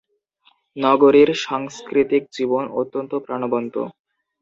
নগরীর সাংস্কৃতিক জীবন অত্যন্ত প্রাণবন্ত।